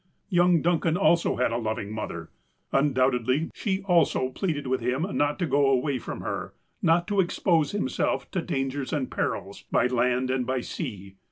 Young Duncan also had a loving mother. Undoubt edly, she also pleaded with him not to go away from her, not to expose himself to dangers and perils, by land and by sea.